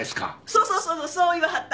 そうそうそうそう言わはった。